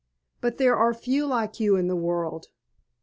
But there are few like you in the world.